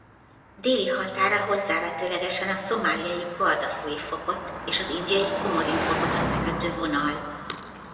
Déli határa hozzávetőlegesen a szomáliai Guardafui-fokot és az indiai Komorin-fokot összekötő vonal.